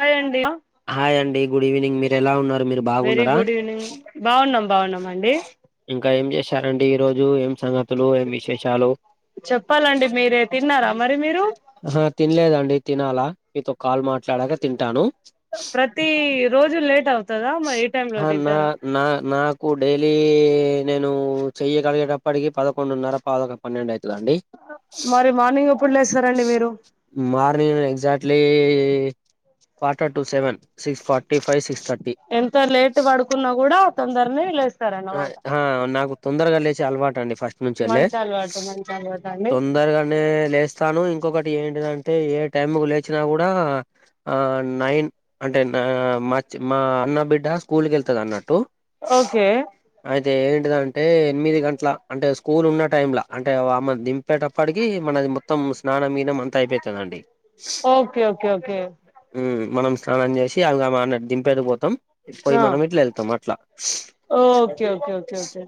Hi అండి hi అండి good evening మీరు ఎలా ఉన్నారు మీరు వెరీ బాగున్నారా గుడ్ ఈవెనింగ్ బాగున్నాం బాగున్నామండి ఇంకా ఏం చేశారండి ఈ రోజు ఏం సంగ చెప్పాలండి మీరే తిన్నారా మరి మీరు ఆహా తినలేదండి తినాలా మీతో కాల్ మాట్లాడక తింటాను ప్రతి రోజు లేట్ అవుతు నా నా నాకు ే [unintelligible] ఒకే నేను చెయ్యగలిగేటప్పటికి పదకొండున్నర పద పన్నెండు అయితా ండి మరి మార్నింగ్ ఎప్పుడు లేస్తారండి మీరు morning exactly ఫార్టర్ [unintelligible] to seven six forty five six thirty ఓసారి లేట్ పడుకున్నా కూడా తొందరనె హెలేస్ హ నాకు తొందరగా లేచె అలవాటు అండి ఫస్ట్ నుంచి అండి మంచి అలవాటు మంచి అలవాటు అండి తొందరగానే లేస్తాను ఇంకొకటి ఏంటిదంటే ఏ టైమ్ కి లే వచ్చినా కూడాఆ ఆ నైన్ అంటే మా మా అన్న బిడ్డ స్కూల్కి వెళ్తాది అన్నట్టు ఓకే అయితే ఏంటిదంటే ఎనిమిది గంటల అంటే స్కూల్ ఉన్న టైమ్ ల అంటే ఆమెన్ దింపేటప్పటికి మనది మొత్తం స్నానం గి స్నానం అంత అయిపోతాది అండి ఓకే ఓకే ఓకే హుమ్ మనం స్నానం చేసి ఇంగమెను దింపిడికి అటు పోతాం ఇస్కూల్ కి ఆ మనం ఇట్లా వెళ్తాం అట్లా ఓకే ఒకె ఒకె ఒకె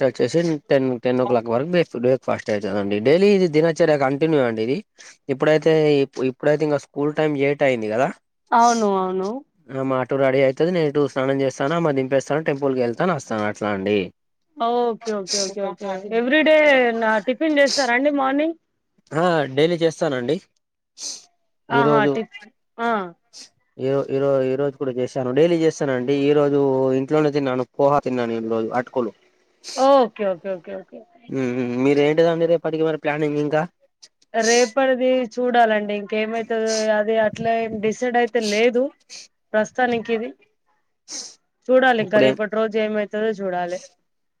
చ చేసిన్ టెన్ టెన్ ఒక్లాక్ వన్ బె ఫుడ్ ఫస్ట్ అయితేనండి డైలీ ఇది దినొచ్చుగ కంటిన్యూ అండి ఇది ఇప్పుడైతే ఇ ఇప్పుడైతే ఇంకా స్కూల్ టైం లేట్ అయింది కదా అవును అవును మా ఇటు రెడి అయితది నే నిటు స్నానం చేస్తాను ఆమెను దింపే వస్తాం టెంపుల్కి వెళ్తాను వస్తాను అట్లా అండి okay okay okay every day నా టిఫిన్ చేస్తారండి మార్నింగ్ ఆ డై లి చేస్తానండి ఆహా టిప్ ఆ ఈ ఓ ఈ రోజ ఈ రోజు కూడా చేశాను డైలీ చేస్తానుండి ఈ రోజు ఇంట్లోనే తిన్నాను పోహా తిన్నాను ఈ రోజు అటుకులు ఓ ఓకె ఓకె ఓకె ఇదండి రేపటికి మరి ప్లాన్ ఇంకా రేపడిది చూడాలండి ఇంకేమైతుది అది అట్లా ఏం డిసైడ్ అయితే ల్లేదు ప్రస్తుతానికి ఇది చూడాలింక ఇప్పుడేం రేపట్ రోజ్ ఏమ తవె చూడాలె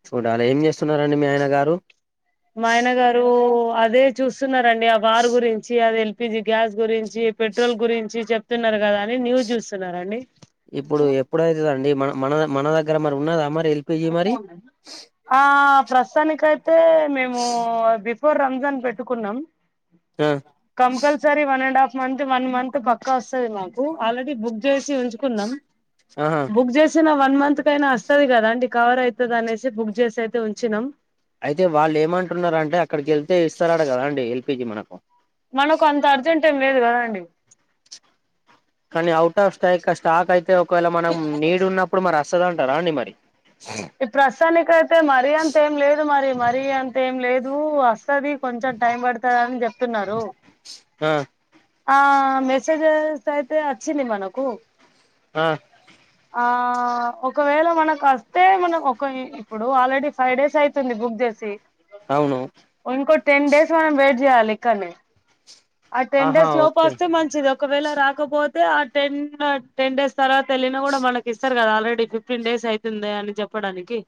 చూడాలి ఏం చేస్తున్నారండి మీ ఆయన గారు మా ఆయన గారు అ అవే చూస్తున్నారు దండి ఆ వారు గురించి అది తె పీజి గ్యాస్ గురించి పెట్రోల్ గురించి చెప్తున్నారు కదా అని న్యూస్ చూస్తున్నారండి ఇప్పుడు ఎప్పుడయితదండి మనం మన మనదగ్గర మరి ఉన్నదా మ ఆ ప్రస్తానికె అయిత అయితే మేమూ త్వర్ రంజాన్ పెట్టుకున్నాం ఆ compulsory one and half month one month పక్కా వస్తది మాకు ఆల్రెడీ బుక్ చేసి ఉంచుకున్నాం ఆహా బుక్ జేసిన వన్ మంత్ కయినా వస్తుది కదా అండి కవర్ అయితది అనేసి బుక్ చేసి అయితే ఉంచినాం అయితే వాళ్ళు ఏమంటున్నారు అంటే అక్కడికి వెళ్తే ఇస్తారట కదా అండి ఎల్పిజీ మనకు మనకు అంత అర్జెంట్ ట మీదు కదండి కానీ ఔట్ ఆఫ్ స్టాక్ స్టాక్ అయితే తే ఒకవేళ మనం నీడు ఉన్నప్పుడు మరి అస్త వస్తాధంటార అండి మరి ఈ ప్రస్తుతానికి అయితే మరీ అంత ఏం లేదు మరి మరీ అంత ఏం లేదు కు వస్తది కొంచెం టైం పడతాది అని చెప్తున్నారు ఆ ఆ మెసేజెస్ అయితే అ చ్చింది మనకు ఆ ఆ ఒకవేళ మన కాస్త అతే మనం ఒక ఇప్పుడు ఆల్రెడీ ఫైవ్ డేస్ అయితుంది బుక్ చేసి అవును ఇంకో టెండేస్ మనం వెయిట్ చేస్తే ఆాల కానే ఆ టెన్ ఆహా డేస్ లోపు ఓకే వస్తే మంచిది ఒకవేళ రాకపోతే ఆ టెన్ టెన్ డేస్ తర్వాత వెళ్లిన కూడా మనకి ఇస్తారు కదా ఆల్రెడీ ఫిఫ్టీన్ డేస్ అయితుంది అని చెప్పడానికి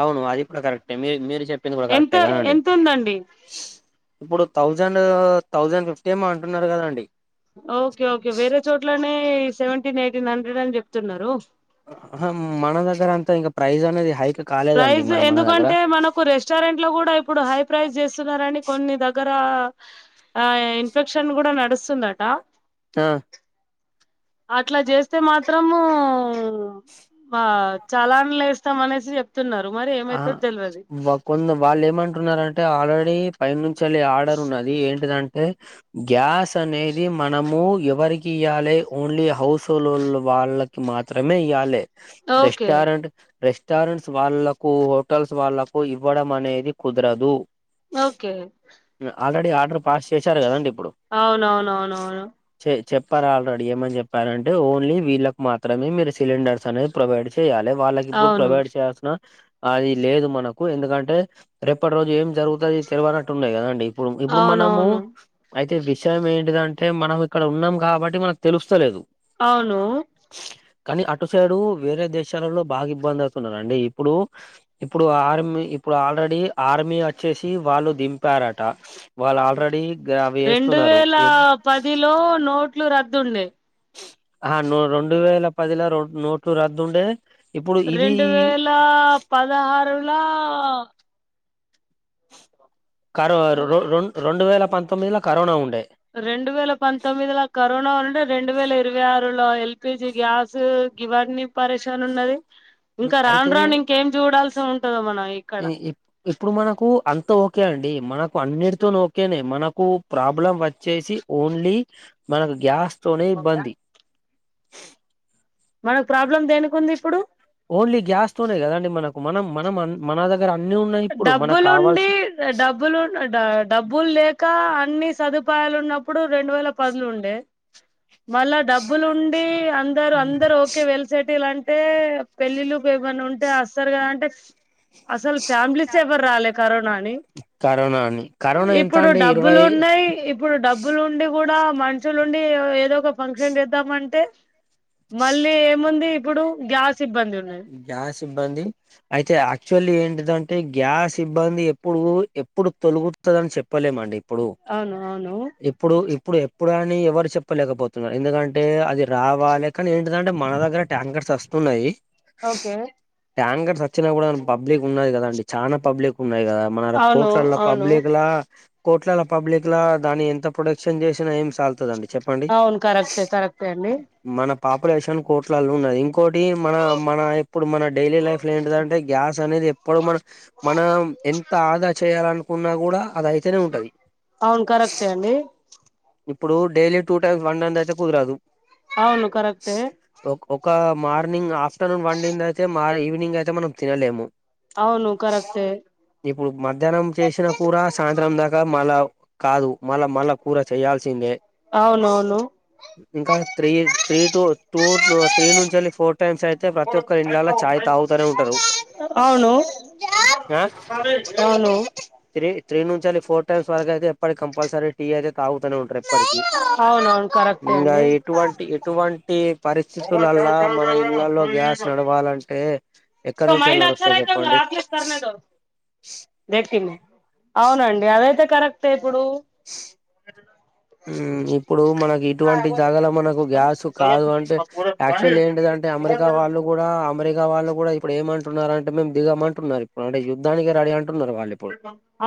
అవును అది కూడా కరెక్టే మీ మీరు చెప్పింది కూడా ఎంత కరెక్టే కదండి ఎంత ఉందండి ఇప్పుడు తౌజండ్ ఆహ్ థౌజండ్ ఫిఫ్టీ ఏమో అంటున్నారు కదండి ఓకే ఓకే వేరే చోట్లనే సెవెంటీన్ ఎయిటీన్ హండ్రెడ్ అని చెప్తున్నారు ఆహ మన దగ్గర అంతా ఇంకా ప్రైజ్ అనేది హైక్ కాలేదండి ప్రైజ్ మరి మన దగ్గర ఎందుకంటే మనకు రెస్టారెంట్ లో కూడా ఇప్పుడు హై ప్రైస్ చేసు స్తున్నారని కొన్ని దగ్గర ఆ ఇన్ఫెక్షన్ కూడా నడుస్తుందట ఆ అట్లా చేస్తే మాత్రము ఆ చలాన్ లు వేస్తాం అనేసి చెప్త ఆహ్ కొందరు మ వాళ్ళు ఏమంటున్నారంటే ఆల్రెడీ ఈ పైనుంచి చేలి ఆర్డర్ ఉన్నది ఏంటి దాం గ్యాస్ అనేది మనము ఎవరికి ఇయ్యాలి ఓన్లీ హౌస్లోన్ వాళ్ళకి మాత్రమే ఇయ్యాలి ఓకే రెస్టారెంట్ రెస్టారెంట్స్ వాళ్ళ కు హోటల్స్ వాళ్లకు ఇవ్వడం అనేది కుదరదు ఓకే ఆల్రెడీ ఆర్డర్ పాస్ చేశారు కదండి. ఇప్పుడు అవునవునవును చె చెప్పారు ఆల్రెడీ ఏమని చెప్పారంటే ఓన్లీ వీళ్ళకి మాత్రమే మీరు సిలిండర్స్ అనేది ప్రొవైడ్ చేయ్యాలి వాళ్ళకి ఇప్పుడు అవును ప్రొవైడ్ చేసిన అది లేదు మనకు ఎందుకంటే రేపటి రోజు ఏం జరుగుతాది తెలవనట్టు ఉన్నాయి కదండి ఇప్పుడు ఇప్పుడు మనము అవునవును అయితే విషయం ఎంట్ అంటే మనం ఇక్కడ ఉన్నాం కాబట్టి అంటే మనకు తెలుస్తలేదు అవును కానీ అటు సైడు వేరే దేశాలలో బాగా ఇబ్బంది అవుతున్నరండి ఇప్పుడు ఇప్పుడు ఆర్మీ ఇప్పుడు ఆల్రెడీ ఆర్మీ వచ్చేసి వాళ్ళు దింపారట వాళ్ళు ఆల్రెడీ అవి రెండు వేస్తున్నారు వేల ఏంటి పదిలో నోట్ నోట్లు రద్దు ఉండే ఆ రెండు వేల పదిలో ర నోట్లు రద్దుండే రెండు వేల పదహారు అలా కరో ర రెం రెండు వేల పంతొమ్మిది లో కరోనా ఉండే రెండు వేల పంతొమ్మిదిలా కరోనా ఉంటే రెండు వేల ఇరవై ఆరు లో ఎల్పిజి గ్యాస్ గివాడిని పరిశాన్ ఉన్నది ఇంకా అయితే రాను రాను ఇంకేం చూడాల్సి ఉంటదో మనం ఇక్కడ ఇప్పుడు మనకు అంత ఓకే అండి మనకు అన్నిటితో ఓకేనే మనకు ప్రాబ్లం వచ్చేసి ఓన్లీ మన గ్యాస్ సనే బంది మనకు ప్రాబ్లం దేనికి ఉంది ఇప్పుడు ఓన్లీ గ్యాస్ తోనే కదండి మనకు మనం మనం మన దగ్గ డబ్బులుండి డబ్బులు డబ్బులు లేక అన్ని సదుపాయాలు ఉన్నప్పుడు రెండు వేల పదులు ఉండే మళ్ళా డబ్బులు ఉండి అందరు అందరు ఓకే వెలిసేటి ఇలాంటి పెళ్లిలు ఏమన్నా ఉంటేయి వస్తారు కద అంటే అసల్ ఫ్యామిలీస్ ఎవరు రాలే కరోనా అని కరోనా అని కరోనా ఎంత ఇప్పుడు అండి డబ్బులు ఇరవై ఉన్నాయి ఇప్పుడు డబ్బులు ఉండి గూడా మనుషులు నుండి ఏ ఏదో ఓ ఫంక్షన్ చేద్దామంటే మళ్ళీ ఏముంది ఇప్పుడు గ్యాస్ సిబ్బంది ఉన్నాది సిబ్బంది అయితే యాక్చువల్ ఏంటిదంటే గ్యాస్ సిబ్బంది ఎప్పుడు ఎప్పుడు తొలగుతది చెప్పలేమండి ఇప్పుడు అవును అవును ఇప్పుడు ఇప్ ఇప్పుడు ఎప్పుడు అని ఎవరు చెప్పలేకపోతున్నారు ఎందుకంటే అది రావాలి కానీ ఏంటిదంటే మన దగ్గర ట్యాంకర్స్ అస్తున్నాయి ఓకే ట్యాకర్స్ అచ్చిన గూడా అనికి పబ్లిక్ ఉన్నది కదాండి చానా పబ్లిక్ ఉన్నాయి కదా మనల అవును కోట్లలల అవును పబ్లిక్ ల కోట్లల పబ్లిక్ లా దాన్ని ఎంత ప్రొడక్షన్ చేసినా ఏం సాగుతదండి అవును కరక్టే కరెక్టే అండి మన పాపులేషన్ కోట్లల్ల ఉన్నది ఇంకోటి మన మన ఇప్పుడు మన డైలీ లైఫ్ లో ఏంటిదంటే గ్యాస్ అనేది ఎప్పుడు మన మనం ఎంత ఆదా చేయాల అనుకున్నా కూడా అది అయితేనే ఉంటది అవును కరెక్టే అండి ఇప్పుడు డైలీ టూ టైమ్స్ వండన్ ది అయితే కుదరదు అవును కరెక్టే ఒక మార్నింగ్ ఆఫ్టర్నూన్ వండింది అయితే మ ఈవినింగ్ అయితే మనం తినలేము అవును కరెక్టే ఇప్పుడు మధ్యాహ్నం చేసినా కూర సాయంత్రం దాకా మళ్ళా కాదు మళ్ళా మళ్ళా కూరయ్ చేయాల్సిందే అవునవును ఇంకా three three two two three నుంచళి ఫోర్ టైమ్స్ అయితే ప్రతి ఒక్కరి ఇండ్లలా అవును చాయ్ తాగుతూనే ఉంటారు అవును ఆ త్రీ త్రీ నుంచళి ఫోర్ టైమ్స్ వరకు అయితే ఎప్పటి కంపల్సరీ టీ అయితే తాగుతనే ఉంటారు ఎప్పటికీ అవునవును కరెక్టే ఇంగా అండి ఎటువంటి ఎటువంటి పరిస్థితులల్లా మన ఇండ్ల లలో గ్యాస్ నడువాలంటే ఇస్ కా మైండ్ అచ్చా రహిదో ఆఫీస్ కర్నేదో దేకు తి మి అవునండి అది అయితే కరక్తే ఇప్పుడు ఉ ఇప్పుడు మనకి ఇటువంటి జాగల మనకు గ్యాస్ కాదు అంటే యాక్చువల్ ఏంటిదంటే అమెరికా వాళ్ళు కూడా అమెరికా వాళ్ళు కూడా ఇప్పుడు ఏమంటున్నారు అంటే మేం దిగమంటున్నారు ఇప్పుడు అంటే యుద్ధానికి రెడీ అన్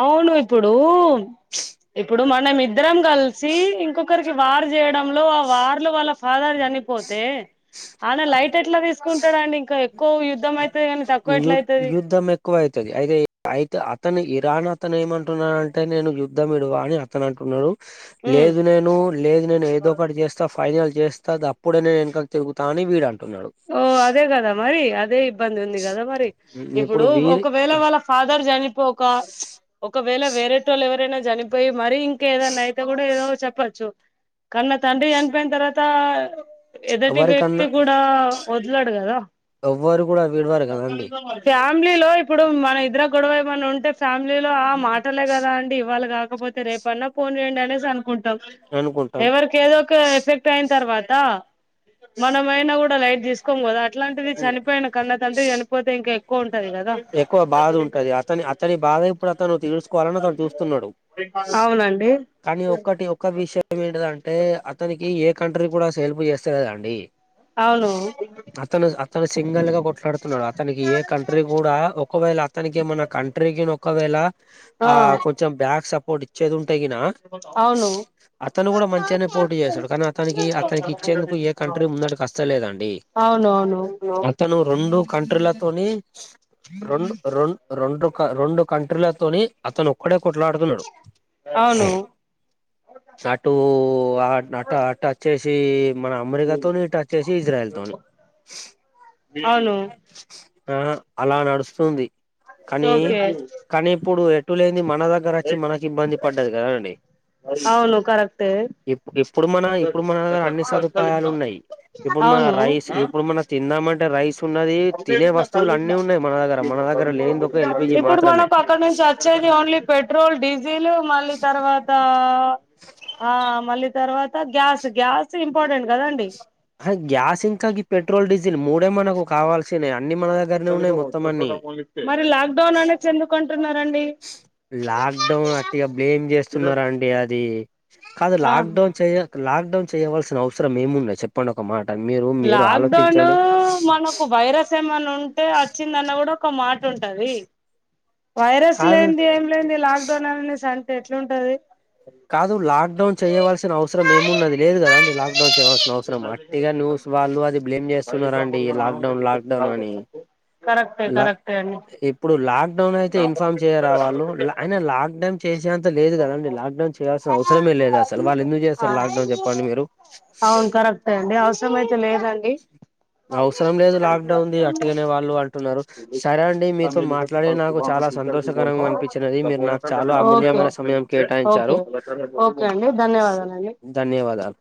అవును ఇప్పుడు ప్చ్ ఇప్పుడు మన్ న మీర్ ఇద్దరం గల్సి ఇంకొకరి క్ వార్ జేయడం లో ఆ వార్లు వళ్ళ ఫాదర్ చనిపోతే ఆన లైట్ ఎట్లా తీసుకుంటాడండి ఇంకా ఎక్కువ యుద్ధం అయి యుద్ యుద్ధం ఎక్కువ అవుతది అయినా అయితే తను ఇరాన్ అతను ఏమంటున్నాడంటే నేను యుద్ధం విడువా అని అతను అంటున్నాడు ఉమ్ లేదు నేను లేదు నేను ఏదో ఒకటి చేస్తా ఫైనల్ చేస్తా గప్పుడే నేను వెనుకకు తిరుగుతానని వీడు అన్ ఓ అదే కదా మరి అ దే ఇబ్బంది ఉంది కదా మరి ఇప్పుడు ఒకవేళ వాళ్ళ ఫాదర్ జనిపోక ప్చ్ ఒకవేళ వేరేటోళ్ళు ఎవరైనా జనిపో మరి ఇంకేదన్నా అయితే కూడా ఏదో చెప్ పచ్చు కన్న తండ్రి చనిపోయిన తర్వాత ఎదుటి వ్యక్తి ఎవరికన్నా కూడా వద్లడు గదా ఎవ్వరు కూడా విడవరు కదండి ఫ్యామిలీలో ఇప్పుడు మ ఇదర గొడవ ఎమన్న ఉంటే ఫ్యామిలీలో ఆ మాటలే కదా అండి ఇవాళ కాక కాకపోతే రేపు అన్నా ఫోన్ జేయండి అనేసి అనుకుం టం అనుకుంటాం ఎవరికి ఏదో ఒక ఎఫెక్ట్ అయిన తర్వాత త మనమైనా కూడా లైట్ తీస్ కోమ్ కదా అట్లాంటిది చనిపోయిన కన్న తండ్రి చనిపోతే ఇంకె కోన్ ఎక్కువ బాధ ఉంటది అతని అతని బాధ ఇప్పుడు అతను తీర్సుకోవాలని అతను చూస్తున్నాడు, అవునండి కానీ ఒక్కటి ఒక్క విషయం ఏంటిదంటే అతనికి ఏ కంట్రీ కూడా అసల్ హెల్ప్ చేస్తేకదండి అవును అతను అతను సింగిల్ గా కొట్లాడుతున్నాడు అతనికి ఏ కంట్రీ ఒకవేళ అతనికి మన కంట్రీగిన ఒకవేళ ఆ కొంచెం బ్యాక్ సపో పోడిచ్చేది ఉం అడిగిన అవును అతను కూడా మంచిగనే పోటీ చేస్తడు. కానీ అతనికి అతనికి ఇచ్చేందుకు ఏ కంట్రీ ముందటకు వస్త లేదండి. అవునవును అతను రెండు కంట్రీలకు, పోని. రొండు రొం రొండు రొండు కంట్రీలతోని అతను ఒక్కడే. కొట్లాడుతున్నాడు అవును అటు ఆ అటు అటు వచ్చేసి. చేమ్. మన అమెరికాతోని ఇట్ అచేసి ఇజ్రాయల్ తోని. అవును అవును ఆహ్ అలా నడుస్తుంది. కానీ ఓకే కానీ ఇప్పుడు ఎటులేని మన దగ్గర వచ్చి మనకి ఇబ్బంది పడ్డది కదాండి. అవును కరెక్టే ఇప్పు ఇప్పుడు మన ఇప్పుడు మన దగ్గర అన్ని సదుపాయాలు ఉన్నాయి. ఇప్పుడు మన అవును రైస్ ఇప్పుడు మన తిందామంటే టా రైస్. ఉన్నది తినే వస్తువులు అన్. ఇప్పుడు మాత్రమే మనకు అక్కడ నుంచి వచ్చేది ఓన్లీ పెట్రోల్ డీజిల్ మళ్ళీ తర్వాత. ఆహ్ ఆహ్ మళ్ళీ తర్వాత గ్యాస్ గ్యాస్ ఇంపార్టెంట్ కదండి. అహా గ్యాస్ హింకా గి పెట్రోల్, డీజిల్ మూడ్ డే మనకు కావాల్సినయా. మరి లాక్డౌన్ అనేసి ఎందుకు అన్. లాక్డౌన్ అట్టిగా బ్లేమ్ చేస్తున్నారా అండి. అది కాదు ఆ లాక్డౌన్ చేయ లాక్ డౌన్ చేయవలసిన అవసరం ఏముందో చెప్పండి ఒక మాట. మీరు మీరు లాక్డౌన్ ఆలోచించండి మనకు వైరస్ ఏమన్నా ఉన్. ఉంటే వచ్చిందన్న కూడా. ఒక మాట ఉంటది. వైరస్ కాదు లేనిది ఏం లేంది లాక్ డౌన్ అనేసి అం ఎట్లుంటది. కాదు లాక్డౌన్ చేయవలసిన అవసరం ఏమున్నది లేదు కదా అండి. లాక్ డౌన్ చేయవలసిన అవసరం అట్టిగానే న్యూస్ వాళ్ళు అది బ్లేమ్ చేస్తున్నరండి లాక్ డౌన్ లాక్డౌన్ అని. కరెక్టే లా కరెక్టే అండి ఇప్పుడు లాగ్. లాక్డౌన్ అయితే ఇన్ఫార్మ్ చేయరా వాళ్ళు లా అయిన లాక్డౌన్ చేసేంత లేదు కదాండి. లాక్ డౌన్ చేయాల్సిన అవసరమే లేదు అసలు వాళ్ళు ఎందుకు ఆ చేస్తారు లాక్డౌన్ చెప్పండి. మీరు అవును కరెక్టే అండి అవసరం అయితే లేదండి అవసరం లేదు లాక్డౌన్ది అట్టిగానే వాళ్ళు అన్. ఉన్నారు. సరే అండి మీతో మాట్లాడే నాకు చాలా సంతోషకరంగా అనిపించిదాండి. మీరు నాకు చాలా అమూల్యమైన సమయం ఓకే కేటాయించారు. ఓకే ఓకే అండి ధన్యవాదాలండి ధన్యవాదాలు.